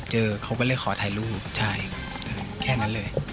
เจอเขาก็เลยขอถ่ายรูปใช่แค่นั้นเลย